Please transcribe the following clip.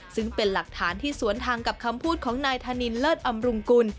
ซึ่งเป็นหลักฐานที่สวนทางกับคำพูดของนายธนินเลิศอำรุงกุล